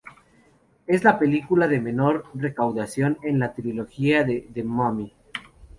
Es la película de menor recaudación en la Trilogía de The Mummy.